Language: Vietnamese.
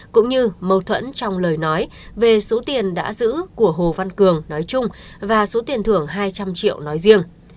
cũng như mâu thuẫn trong lời nói về số tiền đã giữ của hồ văn cường nói chung và số tiền thưởng hai trăm linh triệu nói riêng